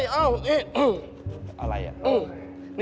เกิดอะไรขึ้น